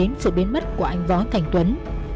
liên quan đến sự biến mất của anh võ thành tuấn